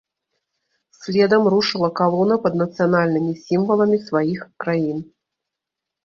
Следам рушыла калона пад нацыянальнымі сімваламі сваіх краін.